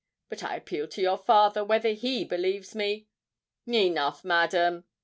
But I appeal to your father whether he believes me——" "Enough, madam!"